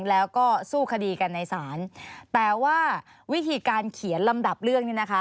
แล้วก็สู้คดีกันในศาลแต่ว่าวิธีการเขียนลำดับเรื่องนี้นะคะ